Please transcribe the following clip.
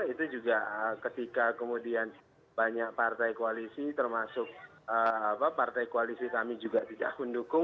itu juga ketika kemudian banyak partai koalisi termasuk partai koalisi kami juga tidak mendukung